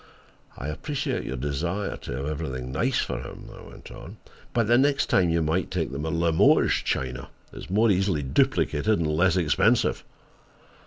"I appreciate your desire to have everything nice for him," I went on, "but the next time, you might take the Limoges china It's more easily duplicated and less expensive."